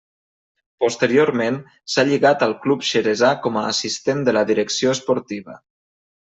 Posteriorment, s'ha lligat al club xeresà com a assistent de la direcció esportiva.